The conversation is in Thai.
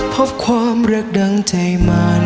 พบความรักดังใจมัน